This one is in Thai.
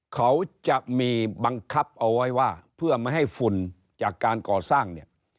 เขาจะมีบังคับเอาไว้ว่าเพื่อไม่ให้ฝุ่นจากการก่อสร้างเนี่ย